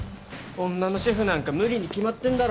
女のシェフなんか無理に決まってんだろ。